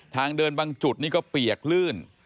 ทางเดินบางจุดนี่ก็เปียกลื่น